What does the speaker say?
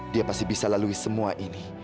dia pasti bisa lalui semua ini